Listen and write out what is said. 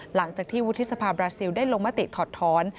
หลังจากที่วุฒิสภาบราซิลได้ลงมติถอดท้อน